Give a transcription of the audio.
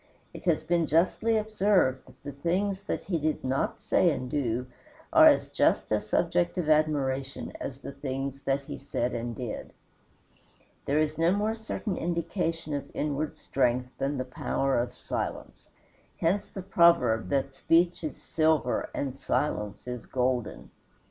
It has been justly observed that the things that he did not say and do are as just a subject of admiration as the things that he said and did. There is no more certain indication of inward strength than the power of silence. Hence the proverb that speech is silver and silence is golden.